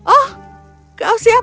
oh kau siapa